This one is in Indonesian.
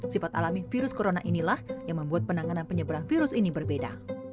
sifat alami virus corona inilah yang membuat penanganan penyeberang virus ini berbeda